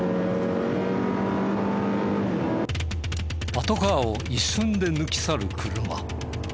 パトカーを一瞬で抜き去る車。